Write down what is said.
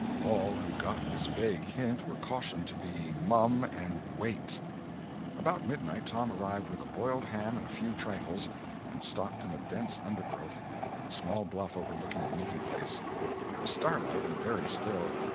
All who got this vague hint were cautioned to "be mum and wait." About midnight Tom arrived with a boiled ham and a few trifles, and stopped in a dense undergrowth on a small bluff overlooking the meeting place. It was starlight, and very still.